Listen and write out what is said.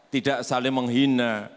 tidak saling menghina